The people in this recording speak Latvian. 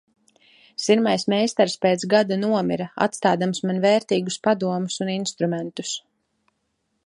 Sirmais meistars pēc gada nomira, atstādams man vērtīgus padomus un instrumentus.